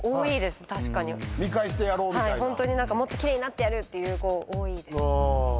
ホントもっと奇麗になってやるっていう子多いです。